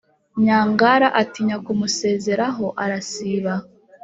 nyangara atinya kumusezeraho arasiba.